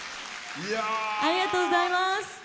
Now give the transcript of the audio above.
ありがとうございます。